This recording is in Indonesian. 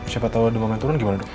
siapa tahu demamnya turun gimana dong